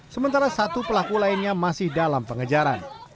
sementara satu pelaku lainnya masih dalam pengejaran